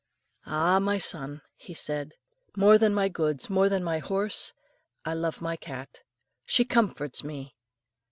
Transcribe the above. "Ah! my son," he said, "more than my goods, more than my horse, I love my cat. She comforts me.